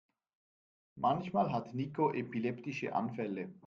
Manchmal hat Niko epileptische Anfälle.